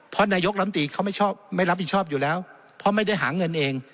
เพราะนายกลำตีเขาไม่ชอบไม่รับผิดชอบอยู่แล้วเพราะไม่ได้หาเงินเอง